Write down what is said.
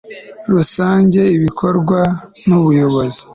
rusange bikorwa n umuyobozi